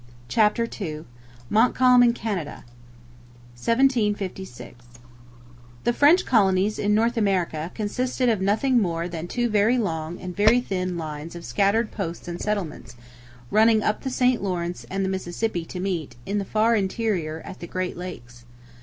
CHAPTER II MONTCALM IN CANADA 1756 The French colonies in North America consisted of nothing more than two very long and very thin lines of scattered posts and settlements, running up the St Lawrence and the Mississippi to meet, in the far interior, at the Great Lakes.